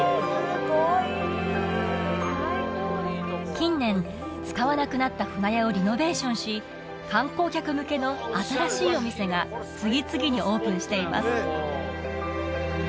すごい近年使わなくなった舟屋をリノベーションし観光客向けの新しいお店が次々にオープンしています